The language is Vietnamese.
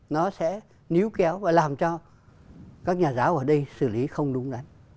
nó sẽ níu kéo và làm cho các nhà giáo ở đây xử lý không đúng đấy